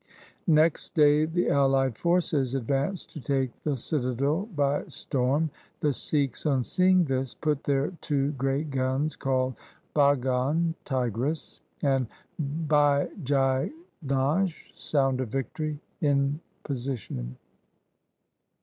Next day the allied forces advanced to take the citadel by storm. The Sikhs on seeing this put their two great guns called Baghan (tigress) and Bijai ghosh (sound of victory) in position.